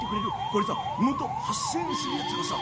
これさ元８，０００円するやつがさ